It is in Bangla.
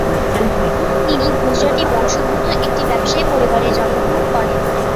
তিনি গুজরাটি বংশোদ্ভূত একটি ব্যবসায়ী পরিবারে জন্মগ্রহণ করেন।